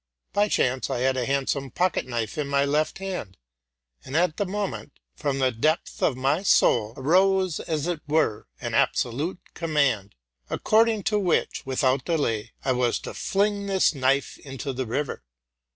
By chance I had a handsome pocket knife in my left hand ; and at the moment, from the depth of my soul, arose, as it were, an absolute command, according to which, without delay, I was to fling this knife into the river.